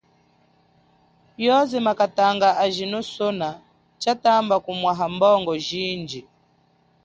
Yoze makatanga ajino sona tshatamba kumwaha mbongo jindji.